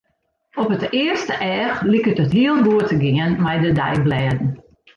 Op it earste each liket it heel goed te gean mei de deiblêden.